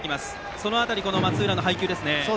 この辺り、松浦の配球ですね。